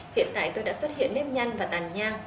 hiện tại tôi đã xuất hiện nếp nhăn và tàn nhang